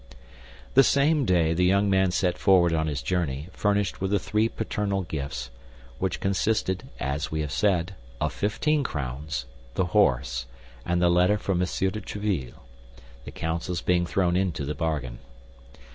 The same day the young man set forward on his journey, furnished with the three paternal gifts, which consisted, as we have said, of fifteen crowns, the horse, and the letter for M. de Tréville—the counsels being thrown into the bargain.